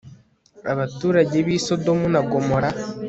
abaturage bi Sodomu na Gomora